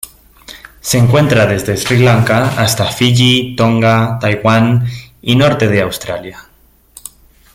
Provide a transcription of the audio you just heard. Se encuentra desde Sri Lanka hasta Fiyi, Tonga, Taiwán y norte de Australia.